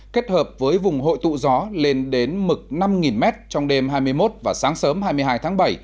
kết hợp với vùng hội tụ gió lên đến mực năm m trong đêm hai mươi một và sáng sớm hai mươi hai tháng bảy